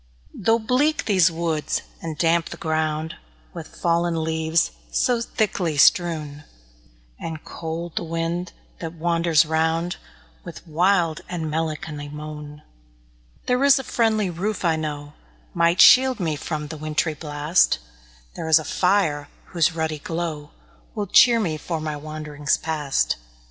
Though bleak these woods, and damp the ground, With fallen leaves so thickly strewn, And cold the wind that wanders round With wild and melancholy moan; There is a friendly roof I know, Might shield me from the wintry blast; There is a fire whose ruddy glow Will cheer me for my wanderings past.